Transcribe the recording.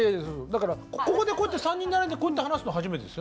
だからここでこうやって３人並んでこうやって話すの初めてですよね。